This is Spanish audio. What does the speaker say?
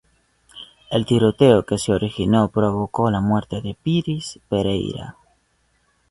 El tiroteo que se originó provocó la muerte de Píriz Pereyra.